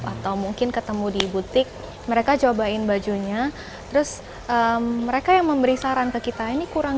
atau mungkin ketemu di butik mereka cobain bajunya terus mereka yang memberi saran ke kita ini kurang